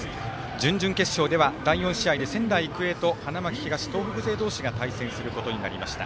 準々決勝では第４試合で仙台育英と花巻東、東北勢同士が対戦することになりました。